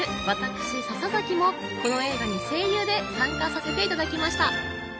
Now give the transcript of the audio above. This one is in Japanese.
私笹崎もこの映画に声優で参加させていただきました。